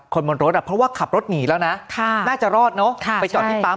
คนบนรถอ่ะเพราะว่าขับรถหนีแล้วนะน่าจะรอดเนอะไปจอดที่ปั๊ม